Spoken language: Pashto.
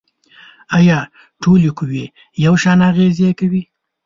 آیا ټولې قوې یو شان اغیزې کوي؟